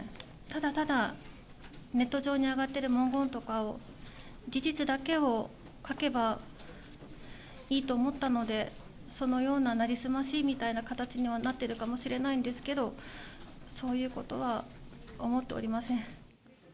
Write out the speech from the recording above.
ただただ、ネット上に上がってる文言とかを、事実だけを書けばいいと思ったので、そのような成り済ましみたいな形には、なっているかもしれないんですけど、そういうことは思っておりません。